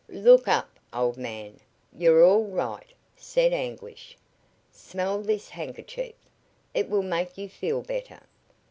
"Look up, old man; you're all right," said Anguish. "Smell this handkerchief. It will make you feel better."